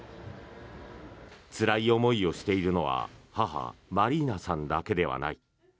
つらい思いをしているのは母、マリーナさんだけではない。